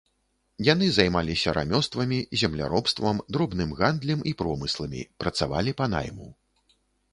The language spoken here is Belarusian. Яны займаліся рамёствамі, земляробствам, дробным гандлем і промысламі, працавалі па найму.